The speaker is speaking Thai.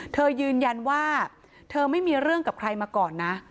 เธอยืนยันว่าเธอไม่มีเรื่องกับใครมาก่อนนะ